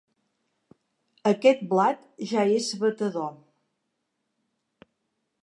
Aquest blat ja és batedor.